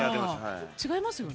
違いますよね？